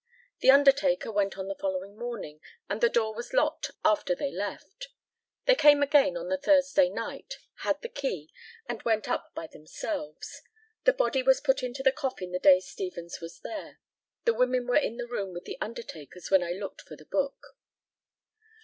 The undertaker went on the following morning, and the door was locked after they left. They came again on the Thursday night, had the key, and went up by themselves. The body was put into the coffin the day Stevens was there. The women were in the room with the undertakers when I looked for the book.